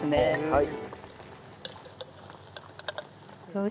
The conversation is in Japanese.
はい。